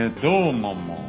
ママ。